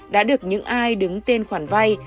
đã được những ai đứng tên khoản vay